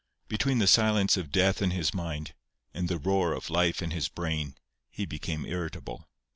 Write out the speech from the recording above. Between the silence of death in his mind, and the roar of life in his brain, he became irritable.